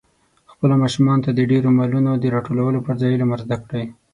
خپلو ماشومانو ته د ډېرو مالونو د راټولولو پر ځای علم ور زده کړئ.